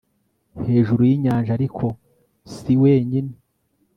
hejuru y'inyanja, ariko si wenyine